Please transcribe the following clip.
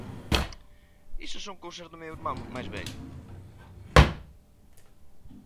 Iso son cousas do meu irmán máis vello